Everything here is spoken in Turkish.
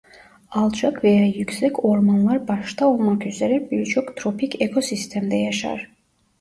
Alçak veya yüksek ormanlar başta olmak üzere birçok tropik ekosistemde yaşar.